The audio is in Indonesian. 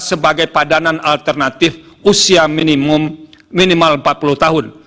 sebagai padanan alternatif usia minimal empat puluh tahun